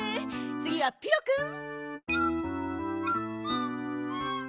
つぎはピロくん。